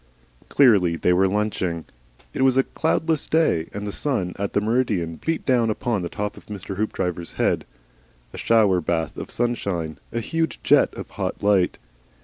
Clearly, they were lunching. It was a cloudless day, and the sun at the meridian beat down upon the top of Mr. Hoopdriver's head, a shower bath of sunshine, a huge jet of hot light.